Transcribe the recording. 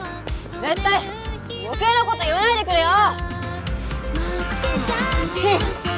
絶対余計なこと言わないでくれよ！